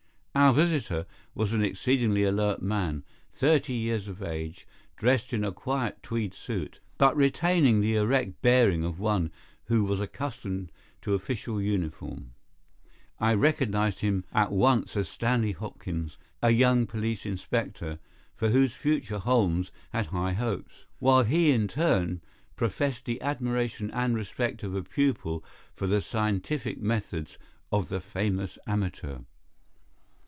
Our visitor was an exceedingly alert man, thirty years of age, dressed in a quiet tweed suit, but retaining the erect bearing of one who was accustomed to official uniform. I recognized him at once as Stanley Hopkins, a young police inspector, for whose future Holmes had high hopes, while he in turn professed the admiration and respect of a pupil for the scientific methods of the famous amateur.